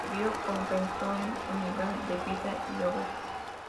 Vivió como pensó, en unidad de vida y obra.